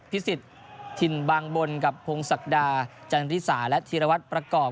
สิทธิ์ถิ่นบางบนกับพงศักดาจันทิสาและธีรวัตรประกอบ